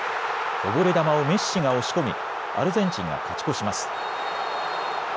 こぼれ球をメッシが押し込みアルゼンチンが勝ち越します。